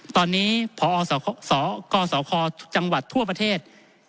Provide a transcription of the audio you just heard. ตอนนี้พอสกสคจังหวัดทั่วประเทศ